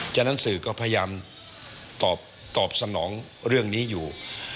ฉะนั้นสื่อก็พยายามตอบสนองเรื่องนี้อยู่